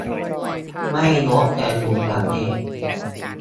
ไม่ลบ แต่หยุดอัปเดต